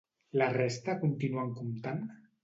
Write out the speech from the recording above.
La resta continuen comptant?